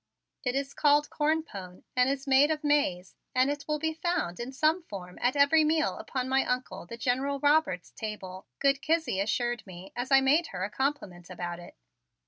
It is called corn pone and is made of maize, and it will be found in some form at every meal upon my Uncle, the General Robert's, table, good Kizzie assured me as I made her a compliment about it.